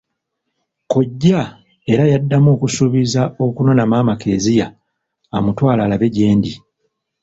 Kkojja era yaddamu okusuubiza okunona maama Kezia amutwale alabe gyendi.